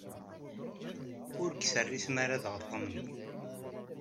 Ur k-terri tmara ad aɣ-tɛawneḍ.